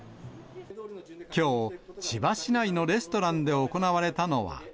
きょう、千葉市内のレストランで行われたのは。